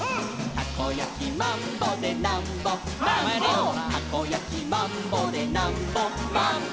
「たこやきマンボでなんぼチューチュー」「たこやきマンボでなんぼマンボ」